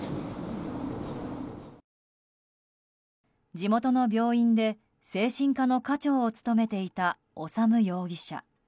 地元の病院で精神科の科長を務めていた修容疑者。